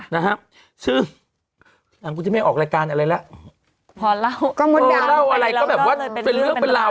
นะฮะซึ่งหลังกูจะไม่ออกรายการอะไรแล้วพอเล่าแล้วก็แบบว่าเป็นเรื่องเป็นราว